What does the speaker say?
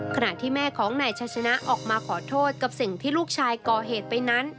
ขณะที่แม่ของนายชัยชนะออกมาขอโทษกับสิ่งที่ลูกชายก่อเหตุไปนั้น